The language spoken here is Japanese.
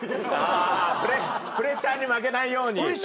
プレッシャーに負けないように。